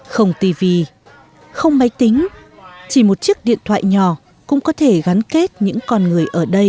không tv không máy tính chỉ một chiếc điện thoại nhỏ cũng có thể gắn kết những con người ở đây